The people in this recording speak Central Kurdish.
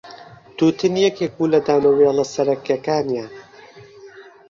تووتن یەکێک بوو لە دانەوێڵە سەرەکییەکانیان.